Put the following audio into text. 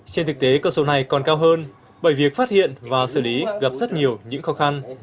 trên thực tế cơ sở này còn cao hơn bởi việc phát hiện và xử lý gặp rất nhiều những khó khăn